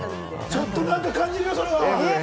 ちょっと何か感じるよそれは。